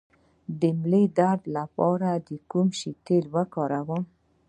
د ملا درد لپاره د کوم شي تېل وکاروم؟